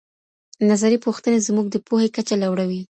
نظري پوښتنې زموږ د پوهې کچه لوړوي.